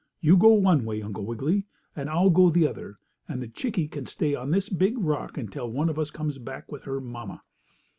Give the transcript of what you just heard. "You go one way, Uncle Wiggily, and I'll go the other, and the chickie can stay on this big rock until one of us comes back with her mamma."